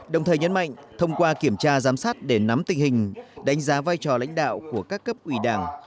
đồng thời nhấn mạnh thông qua kiểm tra giám sát để nắm tình hình đánh giá vai trò lãnh đạo của các cấp ủy đảng